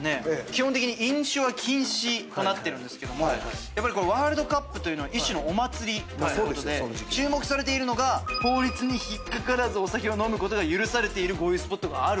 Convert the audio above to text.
基本的に飲酒は禁止となってるんですけどもやっぱりワールドカップというのは一種のお祭りということで注目されているのが法律に引っ掛からずお酒を飲むことが許されている豪遊スポットがある。